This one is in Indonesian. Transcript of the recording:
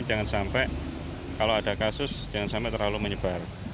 jangan sampai kalau ada kasus jangan sampai terlalu menyebar